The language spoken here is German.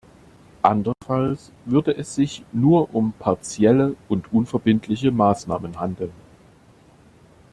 Andernfalls würde es sich nur um partielle und unverbindliche Maßnahmen handeln.